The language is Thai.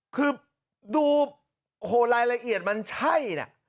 คือดูโอ้โหรายละเอียดมันใช่นะ